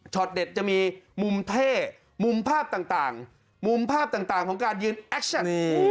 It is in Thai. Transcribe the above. เด็ดจะมีมุมเท่มุมภาพต่างมุมภาพต่างของการยืนแอชแท็ก